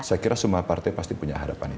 saya kira semua partai pasti punya harapan itu